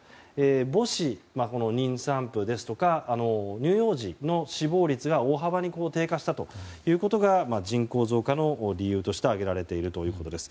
母子、妊産婦ですとか乳幼児の死亡率が大幅に低下したということが人口増加の理由として挙げられているということです。